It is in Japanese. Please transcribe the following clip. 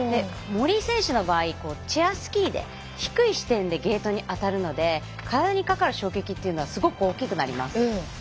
森井選手の場合はチェアスキーで低い視点でゲートに当たるので体にかかる衝撃というのはすごく大きくなります。